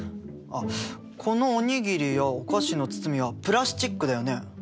あこのお握りやお菓子の包みはプラスチックだよね。